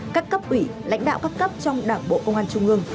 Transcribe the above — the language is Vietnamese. các cấp ủy lãnh đạo các cấp trong đảng bộ công an trung ương